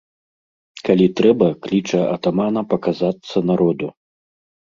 Калі трэба, кліча атамана паказацца народу.